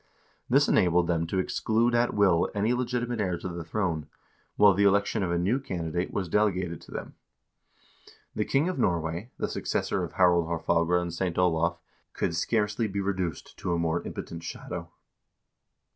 This enabled them to exclude at will any legitimate heir to the throne, while the election of a new candi date was delegated to them. The king of Norway, the successor of Harald Haarfagre and St. Olav, could scarcely be reduced to a more impotent shadow.